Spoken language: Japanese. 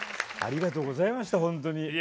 ありがとうございましたホントに。